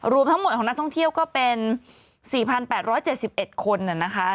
รวมทั้งหมดของนักท่องเที่ยวก็เป็น๔๘๗๑คนนะคะ